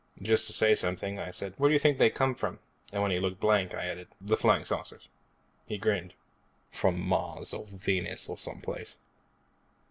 Just to say something, I said, "Where do you think they came from?" And when he looked blank, I added, "The Flying Saucers." He grinned. "From Mars or Venus, or someplace."